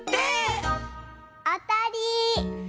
あたり！